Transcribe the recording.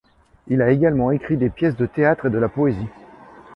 Il a également écrit des pièces de théâtre et de la poésie.